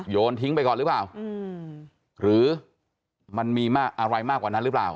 โยนทิ้งไปก่อนหรือเปล่าหรือมันมีอะไรมากกว่านั้นหรือเปล่า